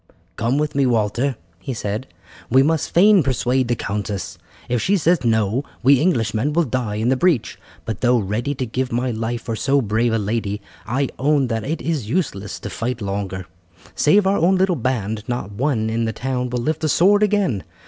"Come with me, Walter," he said, "we must fain persuade the countess. If she says no, we Englishmen will die in the breach; but though ready to give my life for so brave a lady, I own that it is useless to fight longer. Save our own little band not one in the town will lift a sword again.